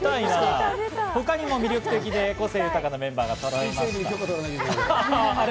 他にも魅力的で個性豊かなメンバーがそろいました。